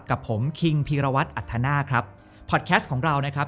กับผมคิงพีรวัตรอัธนาคครับพอดแคสต์ของเรานะครับ